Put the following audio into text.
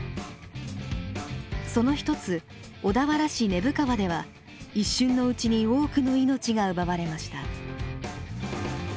その一つ小田原市根府川では一瞬のうちに多くの命が奪われました。